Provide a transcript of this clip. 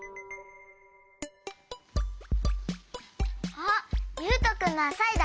あっゆうとくんのはサイだ！